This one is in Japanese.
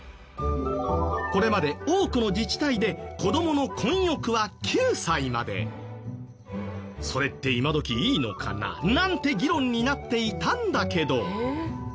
これまで多くの自治体でそれって今どきいいのかな？なんて議論になっていたんだけど。